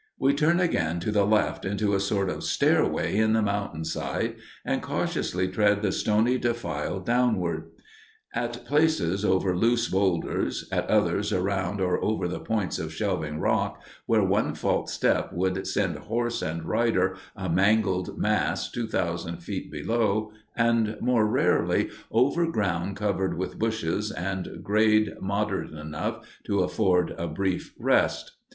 We turn again to the left into a sort of stairway in the mountain side, and cautiously tread the stony defile downward; at places over loose boulders, at others around or over the points of shelving rock, where one false step would send horse and rider a mangled mass two thousand feet below, and more rarely over ground covered with bushes and grade moderate enough to afford a brief rest.